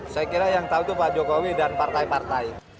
saya kira yang tahu itu pak jokowi dan partai partai